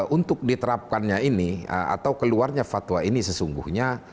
untuk diterapkannya ini atau keluarnya fatwa ini sesungguhnya